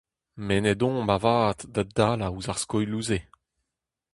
Mennet omp avat da dalañ ouzh ar skoilhoù-se.